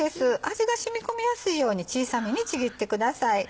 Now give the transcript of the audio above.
味が染み込みやすいように小さめにちぎってください。